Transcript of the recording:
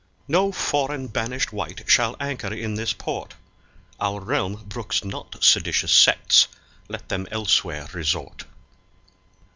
No foreign banished wight shall anchor in this port; Our realm brooks not seditious sects, let them elsewhere resort.